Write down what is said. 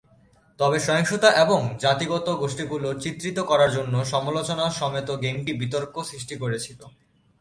তবে, সহিংসতা এবং জাতিগত গোষ্ঠীগুলির চিত্রিত করার জন্য সমালোচনা সমেত গেমটি বিতর্ক সৃষ্টি করেছিল।